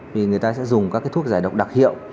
vì người ta sẽ dùng các thuốc giải độc đặc hiệu